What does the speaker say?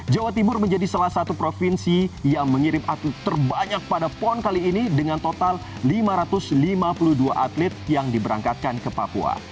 jawa timur menjadi salah satu provinsi yang mengirim atlet terbanyak pada pon kali ini dengan total lima ratus lima puluh dua atlet yang diberangkatkan ke papua